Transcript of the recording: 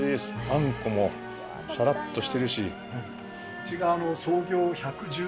あんこもサラッとしてるし。